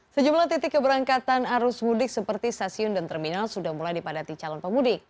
sejumlah titik keberangkatan arus mudik seperti stasiun dan terminal sudah mulai dipadati calon pemudik